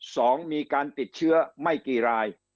สองมีการติดเชื้อไม่กี่ราย